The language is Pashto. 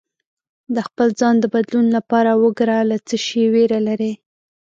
د خپل ځان د بدلون لپاره وګره له څه شي ویره لرې